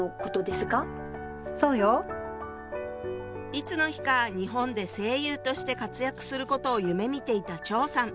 いつの日か日本で声優として活躍することを夢みていた張さん。